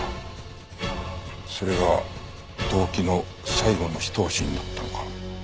それが動機の最後の一押しになったのか。